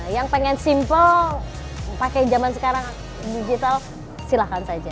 yang pengen simple pakai zaman sekarang digital silahkan saja